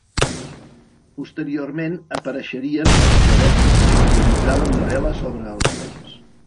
Posteriorment apareixerien els xabecs, que prioritzaven la vela sobre els rems.